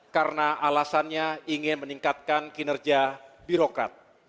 karena alasannya ingin meningkatkan kinerja birokrat